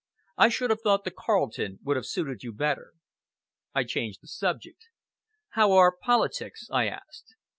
I should have thought the Carlton would have suited you better." I changed the subject. "How are politics?" I asked.